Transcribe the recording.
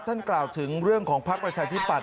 ท่านกล่าวถึงเรื่องของภาคประชาธิบัติ